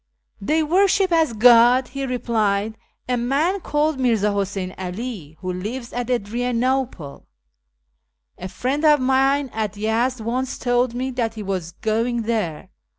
" They worship as God," he replied, " a man called Mirza Huseyn 'All, who lives at Adrianople. A friend of mine at Yezd once told me that he was going there.